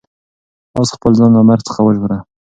آس خپل ځان له مرګ څخه وژغوره.